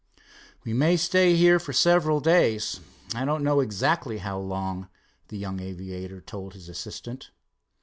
"We may stay here for several days, I don't know exactly how long," the young aviator told his assistant.